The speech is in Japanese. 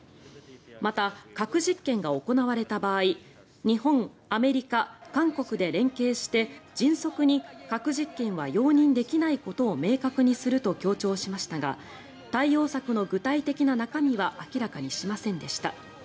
また、核実験が行われた場合日本、アメリカ、韓国で連携して迅速に核実験は容認できないことを明確にすると強調しましたが対応策の具体的な中身は明らかにしませんでした。